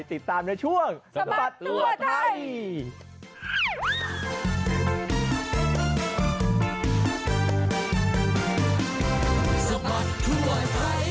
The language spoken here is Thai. ติดตามในช่วงสบัดทั่วไทย